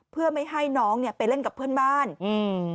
เพื่อไม่ให้น้องเนี้ยไปเล่นกับเพื่อนบ้านอืม